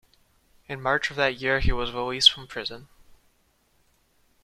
In March of that year, he was released from prison.